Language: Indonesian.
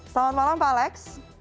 selamat malam pak alex